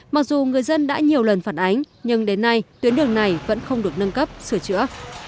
mặc dù người dân đã nhiều lần phản ánh nhưng đến nay tuyến đường này vẫn không được nâng cấp sửa chữa